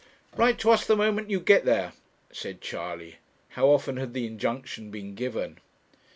'Write to us the moment you get there,' said Charley. How often had the injunction been given!